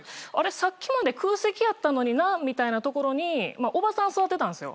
さっきまで空席やったのになみたいな所におばさん座ってたんすよ。